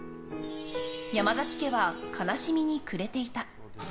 山崎家は悲しみに暮れていた。